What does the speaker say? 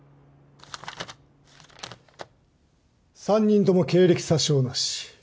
３人とも経歴詐称なし。